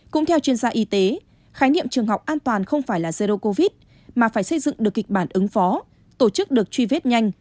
cũng theo chuyên gia y tế khái niệm trường học an toàn không phải là zero covid mà phải xây dựng được kịch bản ứng phó tổ chức được truy vết nhanh